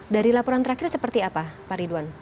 dari laporan terakhir seperti apa pak ridwan